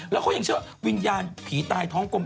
แล้วเขายังเชื่อว่าวิญญาณผีตายท้องกลม